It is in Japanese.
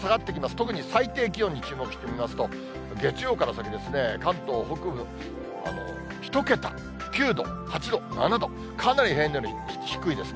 特に最低気温に注目してみますと、月曜から先です、関東北部、１桁、９度、８度、７度、かなり平年より低いですね。